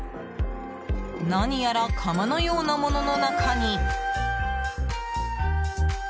何やら釜のようなものの中に。